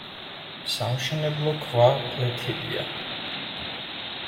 სამშენებლო ქვა ფლეთილია.